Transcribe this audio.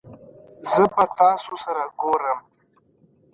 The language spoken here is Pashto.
زه به تاسو سره ګورم